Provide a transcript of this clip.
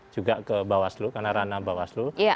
juga ke bawaslu karena ranah bawaslu